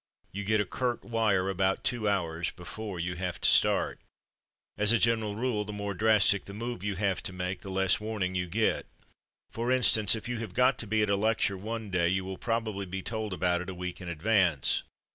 You get a curt wire about two hours before you have to start. As a general rule, the more drastic the move you have to make, the less warning you get. For instance, if you have got to be at a lecture one day, you will probably be told about it a week in advance.